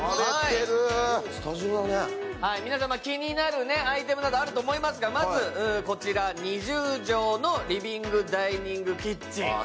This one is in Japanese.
皆さん、気になるアイテムとかあると思いますが、まずこちら２０畳のリビングダイニングキッチン。